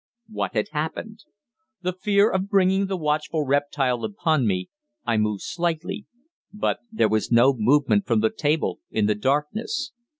What had happened? In fear of bringing the watchful reptile upon me, I moved slightly. But there was no movement from that table in the darkness.